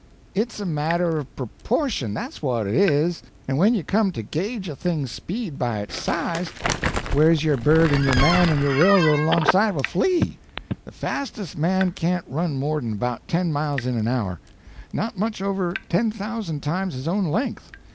] "It's a matter of proportion, that's what it is; and when you come to gauge a thing's speed by its size, where's your bird and your man and your railroad, alongside of a flea? The fastest man can't run more than about ten miles in an hour—not much over ten thousand times his own length.